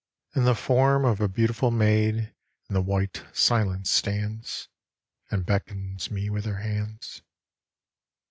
And the form of a beautiful maid In the white silence stands, And beckons me with her hands.